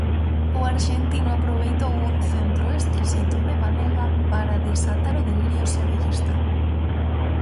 O arxentino aproveitou un centro exquisito de Banega para desatar o delirio sevillista.